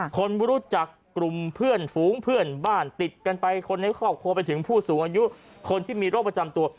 คนรู้จักกลุ่มเพื่อนฝูงเพื่อนบ้านติดกันไปคนในครอบครัวไปถึงผู้สูงอายุคนที่มีโรคประจำตัว